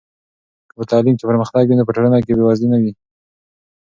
که په تعلیم کې پرمختګ وي نو په ټولنه کې بې وزلي نه وي.